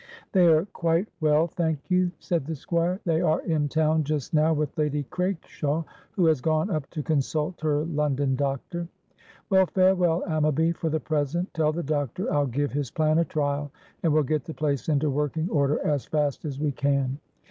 "They are quite well, thank you," said the Squire; "they are in town just now with Lady Craikshaw, who has gone up to consult her London doctor." "Well, farewell, Ammaby, for the present. Tell the doctor I'll give his plan a trial, and we'll get the place into working order as fast as we can."